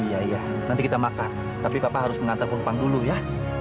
iya iya nanti kita makan tapi papa harus mengantar penumpang dulu ya